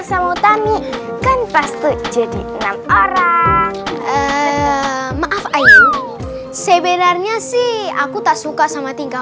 sama tani kan pasti jadi enam orang maaf ayah sebenarnya sih aku tak suka sama tinggal